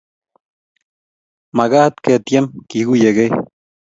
Magat ketiem kekuiyekei